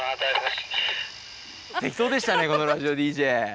適当でしたね、このラジオＤＪ。